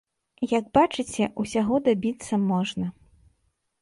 Як бачыце, усяго дабіцца можна.